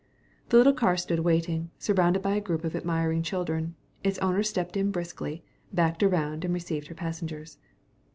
The little car stood waiting, surrounded by a group of admiring children. Its owner stepped in briskly, backed around and received her passengers.